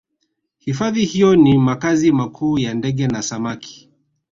hifadhi hiyo ni makazi makuu ya ndege na samaki